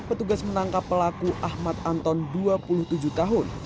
petugas menangkap pelaku ahmad anton dua puluh tujuh tahun